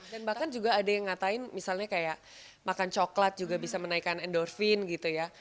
dan bahkan juga ada yang ngatain misalnya kayak makan coklat juga bisa menaikkan endorfin gitu ya